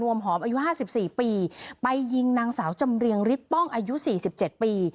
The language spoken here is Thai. วมหอมอายุ๕๔ปีไปยิงนางสาวจำเรียงฤทธป้องอายุ๔๗ปี